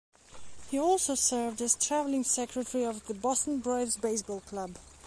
He also served as travelling secretary of the Boston Braves baseball club.